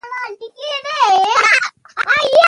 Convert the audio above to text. دوی ولې له علمي بحث څخه تښتي؟